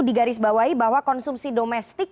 digarisbawahi bahwa konsumsi domestik